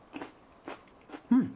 うん！